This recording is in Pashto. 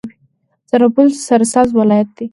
سرپل سرسبزه ولایت دی.